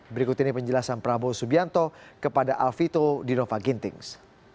berikut ini penjelasan prabowo subianto kepada alvito dinova gintings